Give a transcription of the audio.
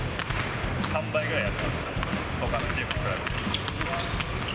３倍ぐらいやってます、ほかのチームと比べて。